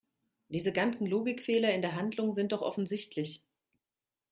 Diese ganzen Logikfehler in der Handlung sind doch offensichtlich!